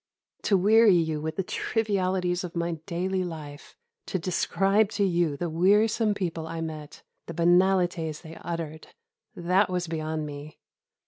To weary you with the trivialities of my daily life, to describe to you the wearisome people I met, the banalités they uttered that was beyond me.